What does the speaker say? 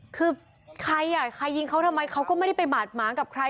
คือใครอ่ะใครยิงเขาทำไมเขาก็ไม่ได้ไปบาดหมางกับใคร